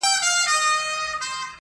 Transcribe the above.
ورسره به وي ټولۍ د شیطانانو٫